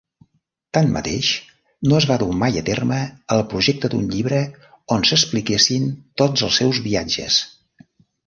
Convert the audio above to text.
Tanmateix, no es va dur mai a terme el projecte d'un llibre on s'expliquessin tots els seus viatges.